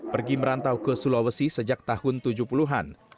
pergi merantau ke sulawesi sejak tahun tujuh puluh an